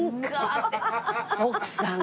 徳さん